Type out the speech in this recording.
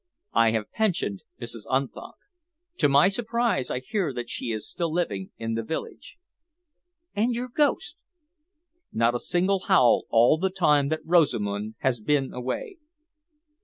"I have pensioned Mrs. Unthank. To my surprise I hear that she is still living in the village." "And your ghost?" "Not a single howl all the time that Rosamund has been away."